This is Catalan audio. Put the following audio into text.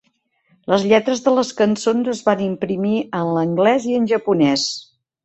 Les lletres de les cançons es van imprimir en anglès i en japonès.